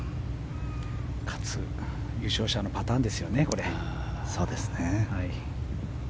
優勝者のパターンですね。